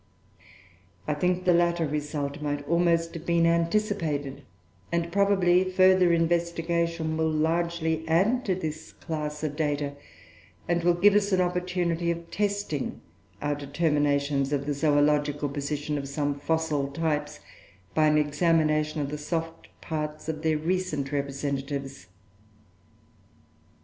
"I think the latter result might almost have been anticipated; and, probably, further investigation will largely add to this class of data, and will give us an opportunity of testing our determinations of the zoological position of some fossil types by an examination of the soft parts of their recent representatives.